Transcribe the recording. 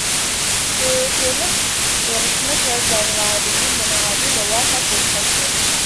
د ټونس ولسمشر زین العابدین بن علي له واکه ګوښه شو.